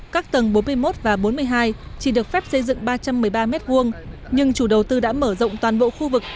các tầng bốn mươi một và bốn mươi hai chỉ được phép xây dựng ba trăm một mươi ba m hai nhưng chủ đầu tư đã mở rộng toàn bộ khu vực